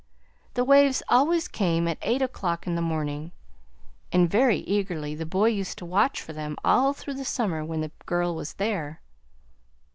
The waves always came at eight o'clock in the morning, and very eagerly the boy used to watch for them all through the summer when the girl was there."